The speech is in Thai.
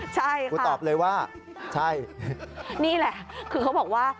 ใช่ครูตอบเลยว่าใช่นี่แหละคือเขาบอกว่า